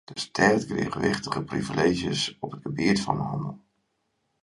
De stêd krige wichtige privileezjes op it gebiet fan hannel.